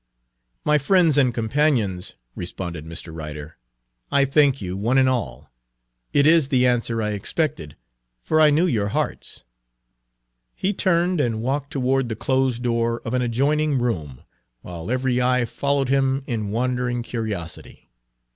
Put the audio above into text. "My friends and companions," responded Mr. Ryder, "I thank you, one and all. It is the answer I expected, for I knew your hearts." He turned and walked toward the closed door of an adjoining room, while every eye followed him in wondering curiosity.